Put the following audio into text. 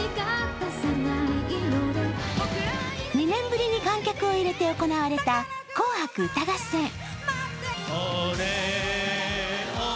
２年ぶりに観客を入れて行われた「紅白歌合戦」。